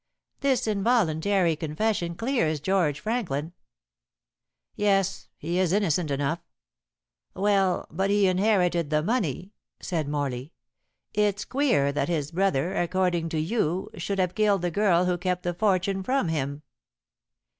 "This involuntary confession clears George Franklin." "Yes. He is innocent enough." "Well, but he inherited the money," said Morley. "It's queer that his brother, according to you, should have killed the girl who kept the fortune from him."